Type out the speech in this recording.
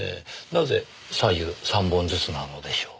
なぜ左右３本ずつなのでしょう？